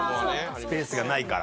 スペースがないから。